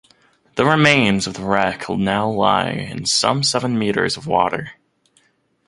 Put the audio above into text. The remains of the wreck now lie in some seven meters of water.